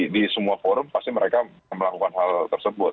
di semua forum pasti mereka melakukan hal tersebut